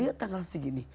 dia tanggal segini